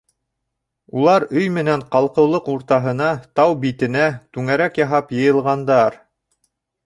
Улар өй менән ҡалҡыулыҡ уртаһына, тау битенә, түңәрәк яһап йыйылғандар.